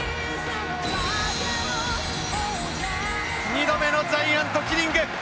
ニ度目のジャイアントキリング。